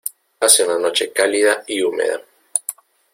Hace una noche cálida y húmeda.